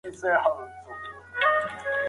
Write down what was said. هغه د خپلو ملګرو له تجربو ګټه واخیسته.